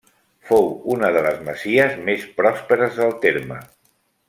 Fou una de les masies més pròsperes del terme.